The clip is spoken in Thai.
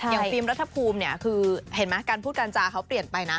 ฟิล์มรัฐภูมิเนี่ยคือเห็นไหมการพูดการจาเขาเปลี่ยนไปนะ